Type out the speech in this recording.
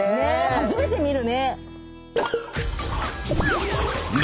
初めて見るね。